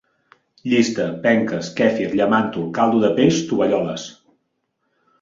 Llista: penques, quefir, llamàntol, caldo de peix, tovalloles